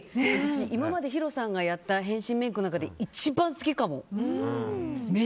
私、今までヒロさんがやった変身メイクの中で一番好きかも。